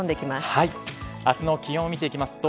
明日の気温を見ていきますと